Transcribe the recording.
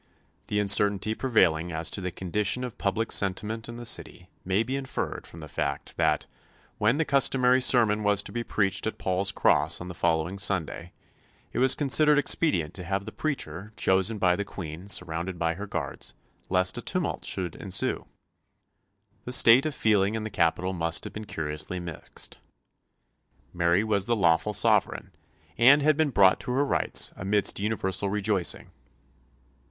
The uncertainty prevailing as to the condition of public sentiment in the city may be inferred from the fact, that, when the customary sermon was to be preached at Paul's Cross on the following Sunday, it was considered expedient to have the preacher chosen by the Queen surrounded by her guards, lest a tumult should ensue. The state of feeling in the capital must have been curiously mixed. Mary was the lawful sovereign, and had been brought to her rights amidst universal rejoicing.